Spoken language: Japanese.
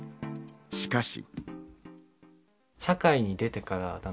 しかし。